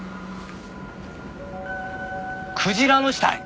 クジラの死体！